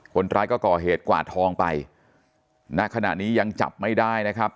คนร้ายก็ก่อเหตุกวาดทองไปณขณะนี้ยังจับไม่ได้นะครับ